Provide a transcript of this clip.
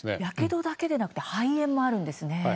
やけどだけでなくて肺炎もあるんですね。